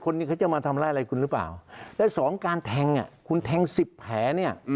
คนนี้เขาจะมาทำร้ายอะไรคุณหรือเปล่าและ๒การแทงคุณแทง๑๐แผล